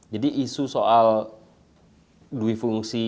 jadi isu soal duit fungsi